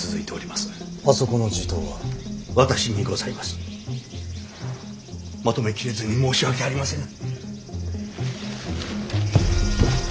まとめ切れずに申し訳ありませぬ。